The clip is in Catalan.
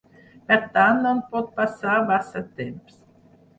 Per tant, no pot passar massa temps.